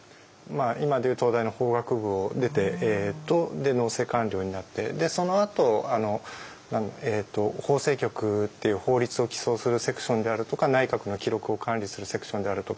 今でいう東大の法学部を出て農政官僚になってそのあと法制局っていう法律を起草するセクションであるとか内閣の記録を管理するセクションであるとか。